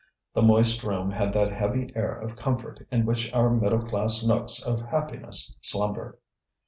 The moist room had that heavy air of comfort in which our middle class nooks of happiness slumber.